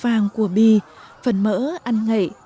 màu vàng của bì phần mỡ ăn ngậy màu vàng của bì phần mỡ ăn ngậy